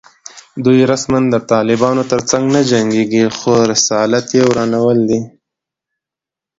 دوی رسماً د طالبانو تر څنګ نه جنګېږي خو رسالت یې ورانول دي